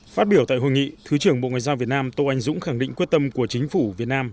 phát biểu tại hội nghị thứ trưởng bộ ngoại giao việt nam tô anh dũng khẳng định quyết tâm của chính phủ việt nam